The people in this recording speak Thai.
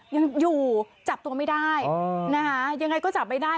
ยังอยู่จับตัวไม่ได้นะคะยังไงก็จับไม่ได้